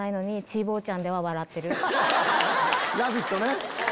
『ラヴィット！』ね。